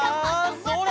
それ！